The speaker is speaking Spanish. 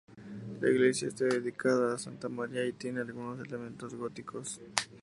La iglesia está dedicada a Santa Maria y tiene algunos elementos góticos.